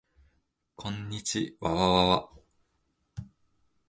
こんにちわわわわ